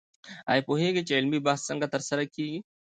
آیا پوهېږئ چې علمي بحث څنګه ترسره کېږي؟